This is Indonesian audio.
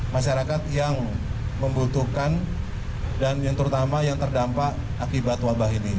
masyarakat yang membutuhkan dan yang terutama yang terdampak akibat wabah ini